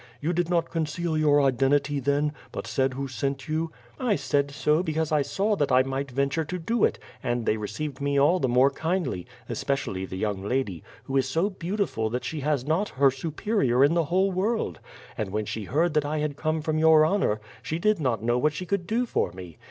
You did not conceal your identity then, but said who sent you?" "I said so because I saw that I might venture to do it and they received me all the more kindly, especially the young lady, who is so beautiful that she has not her superior in the whole world; and when she heard that I had come from your Honor, she did not know what she could do for me.